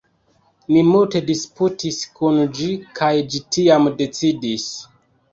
ni multe disputis kun ĝi kaj ĝi tiam decidis